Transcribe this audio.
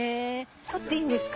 取っていいんですか？